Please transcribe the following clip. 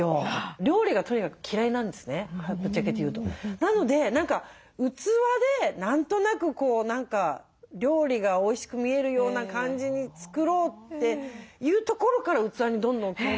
なので何か器で何となく何か料理がおいしく見えるような感じに作ろうというところから器にどんどん興味が湧いてきて。